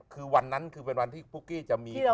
คือวันนั้นคือเป็นวันที่ปุ๊กกี้จะมี